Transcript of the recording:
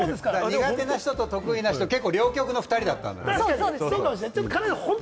苦手な人、得意な人、両極の２人だったんですよ。